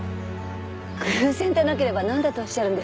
偶然でなければなんだとおっしゃるんですか？